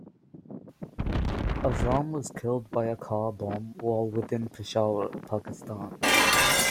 Azzam was killed by a car bomb while within Peshawar, Pakistan.